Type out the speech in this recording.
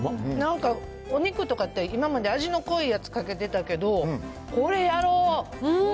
なんか、お肉とかって、今まで味の濃いやつかけてたけど、これ、やろう！